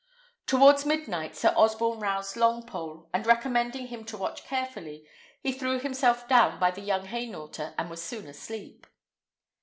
Towards midnight, Sir Osborne roused Longpole, and recommending him to watch carefully, he threw himself down by the young Hainaulter and was soon asleep.